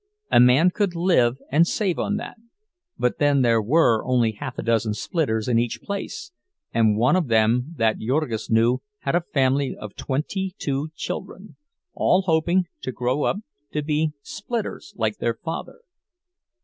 A man could live and save on that; but then there were only half a dozen splitters in each place, and one of them that Jurgis knew had a family of twenty two children, all hoping to grow up to be splitters like their father.